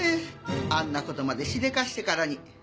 あんなことまでしでかしてからに。